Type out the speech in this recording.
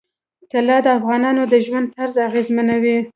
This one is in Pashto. طلا د افغانانو د ژوند طرز اغېزمنوي.